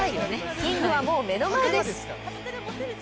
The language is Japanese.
キングはもう目の前です。